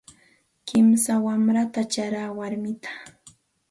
Kimsa wanratam charaa warmichaw.